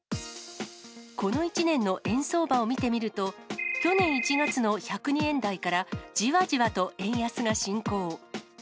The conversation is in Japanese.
この１年の円相場を見てみると、去年１月の１０２円台から、じわじわと円安が進行。